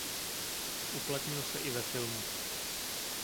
Uplatnil se i ve filmu.